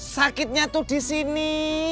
sakitnya tuh disini